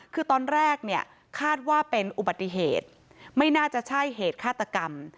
คือตอนแรกเนี่ยคาดว่าเป็นอุบัติเหตุไม่น่าจะใช่เหตุฆาตกรรม